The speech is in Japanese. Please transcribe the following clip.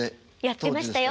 やってましたよ。